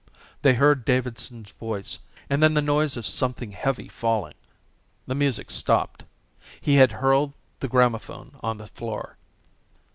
They heard Davidson's voice and then the noise of something heavy falling. The music stopped. He had hurled the gramophone on the floor.